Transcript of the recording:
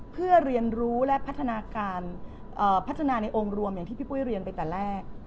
เพื่อเรียนรู้และพัฒนาการพัฒนาในองค์รวมอย่างที่พี่ปุ้ยเรียนไปแต่แรก